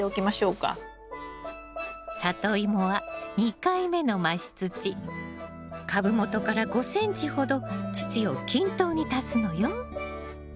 サトイモは２回目の増し土株元から５ｃｍほど土を均等に足すのよ。